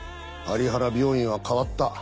有原病院は変わった。